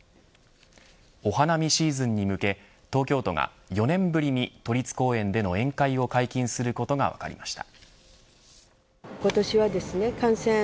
お花見シーズンに向け東京都が４年ぶりに都立公園での宴会を解禁することが分かりました。